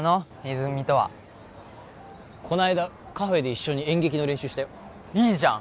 泉とはこの間カフェで一緒に演劇の練習したよいいじゃん